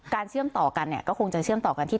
เชื่อมต่อกันเนี่ยก็คงจะเชื่อมต่อกันที่